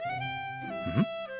うん？